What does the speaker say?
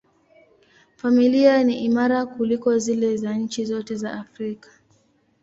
Familia ni imara kuliko zile za nchi zote za Afrika.